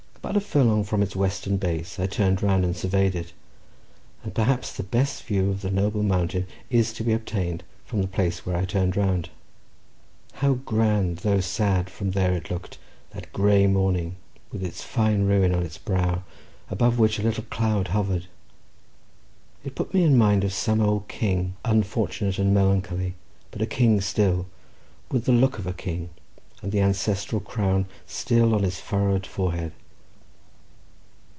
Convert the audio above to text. About a furlong from its western base I turned round and surveyed it—and perhaps the best view of the noble mountain is to be obtained from the place where I turned round. How grand, though sad, from there it looked, that grey morning, with its fine ruin on its brow, above which a little cloud hovered! It put me in mind of some old king, unfortunate and melancholy, but a king still, with the look of a king, and the ancestral crown still on his furrowed forehead.